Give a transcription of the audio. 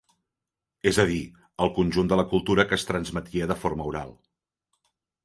És a dir, el conjunt de la cultura que es transmetia de forma oral.